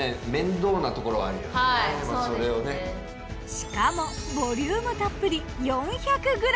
しかもボリュームたっぷり４００ｇ！